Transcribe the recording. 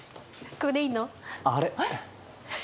ここでいいの？